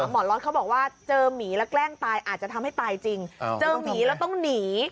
หมอล็อตเขาบอกว่าเจอหมีแล้วแกล้งตายอาจจะทำให้ตายจริงเจอหมีแล้วต้องหนี